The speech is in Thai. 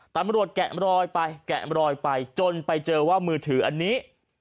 ตำรวจแกะลอยไปแกะลอยไปจนไปเจอว่ามือถือคือนี้